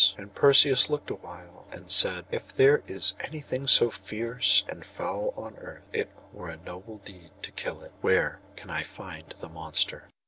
And Perseus looked awhile, and then said: 'If there is anything so fierce and foul on earth, it were a noble deed to kill it. Where can I find the monster?